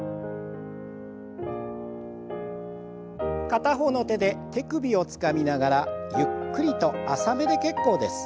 片方の手で手首をつかみながらゆっくりと浅めで結構です。